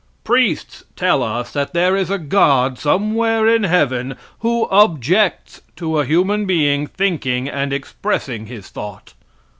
Priests tell us that there is a God somewhere in heaven who objects to a human being, thinking and expressing his thought.